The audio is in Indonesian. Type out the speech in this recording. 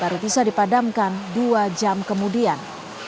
baru bisa dipadamkan dua jam kemudian